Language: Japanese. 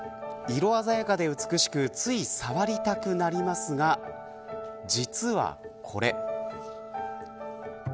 色鮮やかで美しくつい、触りたくなりますが実はこれ。